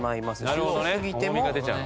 なるほどね。